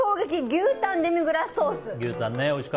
牛タンデミグラスソース。